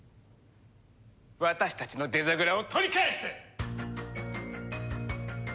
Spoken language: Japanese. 私たちのデザグラを取り返して！